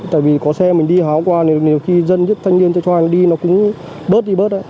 tại vì có xe mình đi hóa qua nên nhiều khi dân nhất thanh niên cho cho anh đi nó cũng bớt đi bớt